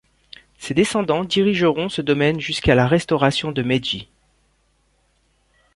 Ces descendants dirigeront ce domaine jusqu'à la restauration de Meiji.